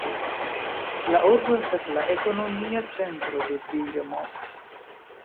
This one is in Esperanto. La urbo estas la ekonomia centro de Birmo.